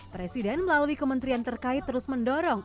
presiden melalui kementerian terkait terus mendorong